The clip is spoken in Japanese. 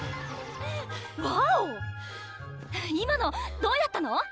わお今のどうやったの？